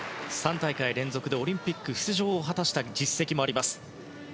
３大会連続でオリンピック出場を果たした実績もあります。